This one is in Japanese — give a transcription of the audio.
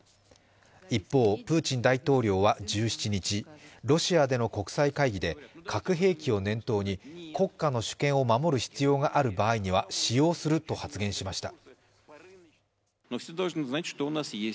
一方、プーチン大統領は１７日、ロシアでの国際会議で核兵器を念頭に国家の主権を守る必要がある場合には使用すると発言しました。